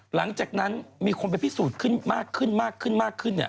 หลังจากนั้นมีคนไปพิสูจน์ขึ้นมาก